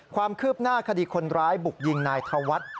ความคืบหน้าคดีคนร้ายบุกยิงนายธวัฒน์